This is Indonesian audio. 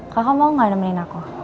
kakak mau gak nemenin aku